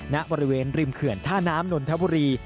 ณบริเวณริมเขื่อนท่าน้ำนนทบุรี